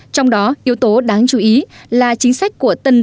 trong đó yếu tố đáng chú ý là chính sách của tân